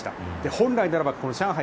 本来ならば上海